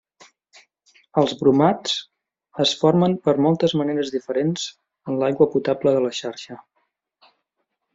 Els bromats es formen per moltes maneres diferents en l'aigua potable de la xarxa.